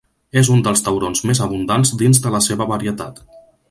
És un dels taurons més abundants dins de la seva varietat.